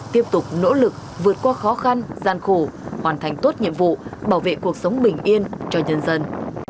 tiếp tục nỗ lực vượt qua khó khăn gian khổ hoàn thành tốt nhiệm vụ bảo vệ cuộc sống bình yên cho nhân dân